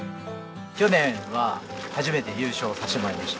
去年は初めて優勝させてもらいました。